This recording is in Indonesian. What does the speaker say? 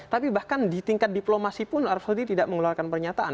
tapi bahkan di tingkat diplomasi pun arab saudi tidak mengeluarkan pernyataan